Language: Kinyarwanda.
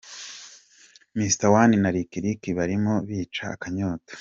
Mr One na Lick Lick barimo bica akanyota.